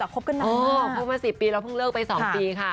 ครบมา๑๐ปีเราเพิ่งเลิกไป๒ปีค่ะ